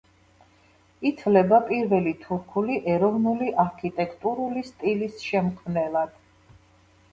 ითვლება პირველი თურქული ეროვნული არქიტექტურული სტილის შემქმნელად.